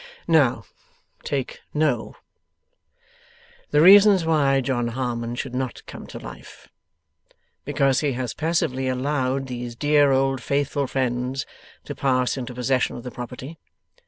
'Now, take no. The reasons why John Harmon should not come to life. Because he has passively allowed these dear old faithful friends to pass into possession of the property.